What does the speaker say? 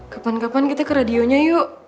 kapan kapan kita ke radionya yuk